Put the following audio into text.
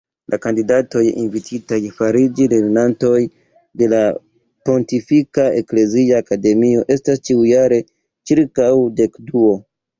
La kandidatoj invititaj fariĝi lernantoj de la Pontifika Eklezia Akademio estas ĉiujare ĉirkaŭ dekduo.